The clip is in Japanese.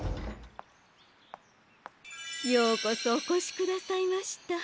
ようこそおこしくださいました。